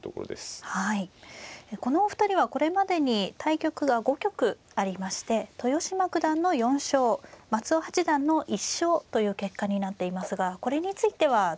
このお二人はこれまでに対局が５局ありまして豊島九段の４勝松尾八段の１勝という結果になっていますがこれについては。